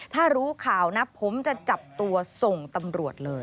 ถ้ารู้ข่าวนะผมจะจับตัวส่งตำรวจเลย